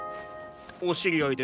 お知り合いで？